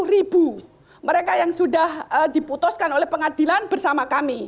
dua ratus lima puluh ribu mereka yang sudah diputuskan oleh pengadilan bersama kami